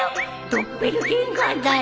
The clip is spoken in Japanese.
ドッペルゲンガーだよ